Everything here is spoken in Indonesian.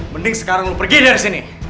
mending sekarang pergi dari sini